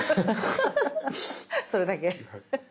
それだけ。